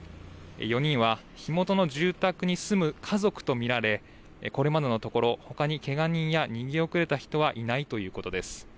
４人は火元の住宅に住む家族と見られ、これまでのところ、ほかにけが人や逃げ遅れた人はいないということです。